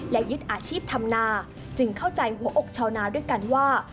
และยึดอาชีพธรรมนาจึงเข้าใจหัวอกชาวนาด้วยกันว่า